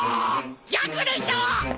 逆でしょ！